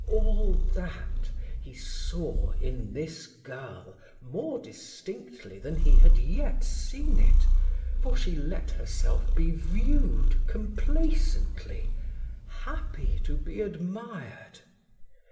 All that he saw in this girl more distinctly than he had yet seen it, for she let herself be viewed complacently, happy to be admired.